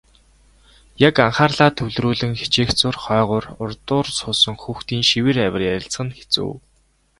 Яг анхаарлаа төвлөрүүлэн хичээх зуур хойгуур урдуур суусан хүүхдийн шивэр авир ярилцах нь хэцүү.